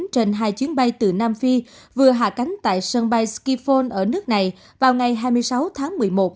trên hai chuyến bay từ nam phi vừa hạ cánh tại sân bay skiphone ở nước này vào ngày hai mươi sáu tháng một mươi một